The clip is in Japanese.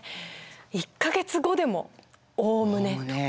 １か月後でも「おおむね」とか。